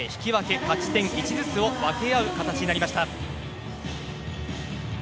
勝ち点１ずつを分け合う形になりました。